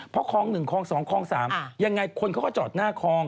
เพราะคลอง๑คลอง๒คลอง๓ยังไงคนเขาก็จอดหน้าคลอง